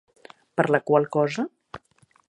Per la qual cosa.